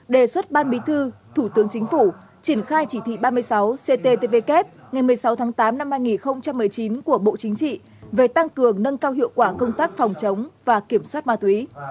đề xuất ban bí thư thủ tướng chính phủ triển khai chỉ thị ba mươi sáu cttvk ngày một mươi sáu tháng tám năm hai nghìn một mươi chín của bộ chính trị về tăng cường nâng cao hiệu quả công tác phòng chống và kiểm soát ma túy